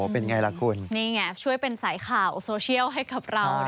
เป็นไงล่ะคุณนี่ไงช่วยเป็นสายข่าว